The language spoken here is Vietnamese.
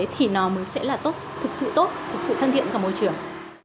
thì nó mới sẽ là tốt thực sự tốt thực sự thân thiện với môi trường